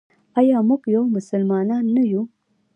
آیا موږ یو مسلمان نه یو؟